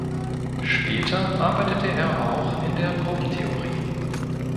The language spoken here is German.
Später arbeitete er auch in der Gruppentheorie.